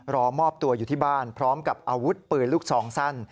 รอมอบตัวอยู่ที่บ้านพร้อมกับอาวุธปืนลูกซองสั้น